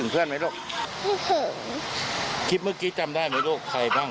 คลิปเมื่อกี้จำได้มั้ยลูกใครบ้าง